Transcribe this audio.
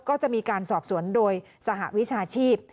ก็จะมีการสอบสวนโดยสหวิชาชีพ